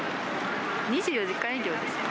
２４時間営業ですか？